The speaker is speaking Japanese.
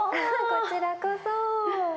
こちらこそ。